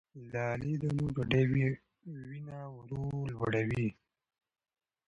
له غلې- دانو ډوډۍ وینه ورو لوړوي.